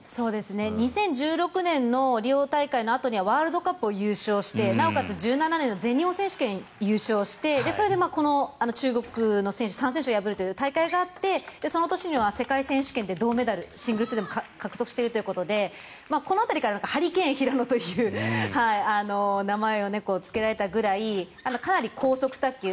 ２０１６年のリオ大会のあとにはワールドカップを優勝してなおかつ２０１７年の全日本選手権を優勝してそれでこの中国の選手３選手を破るという大会があってその年には世界選手権でも銅メダルをシングルスでも獲得しているということでこの辺りからハリケーンヒラノという名前をつけられたぐらいかなり高速卓球。